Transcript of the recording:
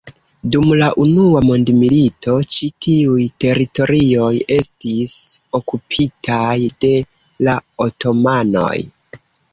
Dum la Unua Mondmilito ĉi tiuj teritorioj estis okupitaj de la otomanoj.